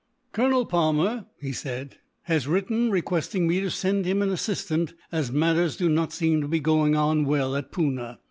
"Colonel Palmer," he said, "has written, requesting me to send him an assistant; as matters do not seem to be going on well at Poona.